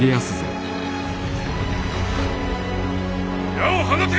矢を放て！